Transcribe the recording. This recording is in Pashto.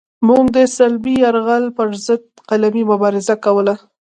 موږ د صلیبي یرغل پرضد قلمي مبارزه کوله.